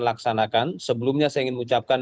laksanakan sebelumnya saya ingin ucapkan